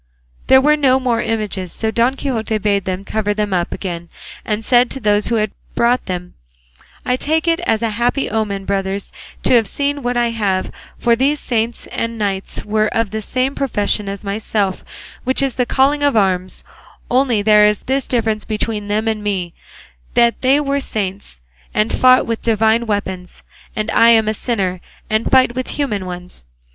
There were no more images, so Don Quixote bade them cover them up again, and said to those who had brought them, "I take it as a happy omen, brothers, to have seen what I have; for these saints and knights were of the same profession as myself, which is the calling of arms; only there is this difference between them and me, that they were saints, and fought with divine weapons, and I am a sinner and fight with human ones.